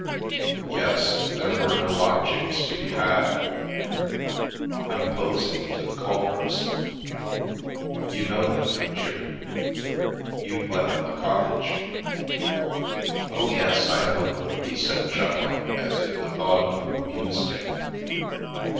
" Yes. There were no lodgings to be had. I'm posing u n What I Told the Acanthus Leaf to the Culvers. You know them, don't you? You've let them a cottage." " Oh, yes, I know them," he said, chuckling, as if the thought of them amused him.